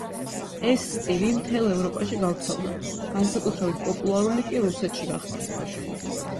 ეს სტილი მთელ ევროპაში გავრცელდა, განსაკუთრებით პოპულარული კი რუსეთში გახდა.